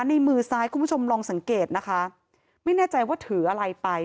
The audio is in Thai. ในมือซ้ายคุณผู้ชมลองสังเกตนะคะไม่แน่ใจว่าถืออะไรไป